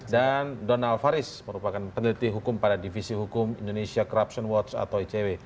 dan donald faris merupakan peneliti hukum pada divisi hukum indonesia corruption watch atau icw